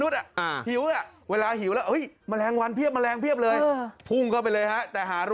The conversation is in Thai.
ข้าวตาหรือเปล่าโอ้ยเดินกว่าหาย